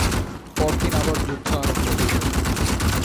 পরদিন আবার যুদ্ধ আরম্ভ হইল।